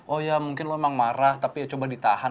oh ya mungkin lo emang marah tapi ya coba ditahan